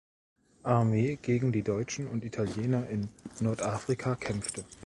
Armee gegen die Deutschen und Italiener in Nordafrika kämpfte.